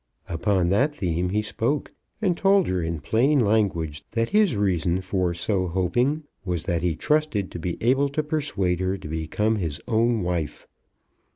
Upon that theme he spoke, and told her in plain language that his reason for so hoping was that he trusted to be able to persuade her to become his own wife.